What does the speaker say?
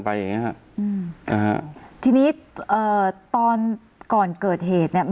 อย่างเงี้ฮะอืมอ่าฮะทีนี้เอ่อตอนก่อนเกิดเหตุเนี้ย